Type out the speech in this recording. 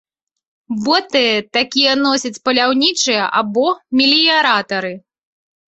Боты такія носяць паляўнічыя або меліяратары.